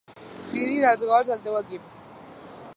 Cridis els gols del teu equip.